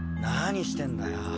何してんだよ。